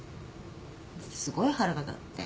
すごい腹が立って。